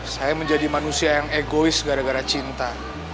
saya menjadi manusia yang egois gara gara cinta